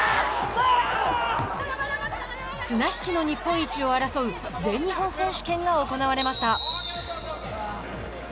綱引きの日本一を争う全日本選手権が行われました。